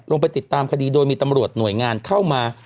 ลงไปติดตามคดีโดยมีตำรวจหน่วยงานเข้ามา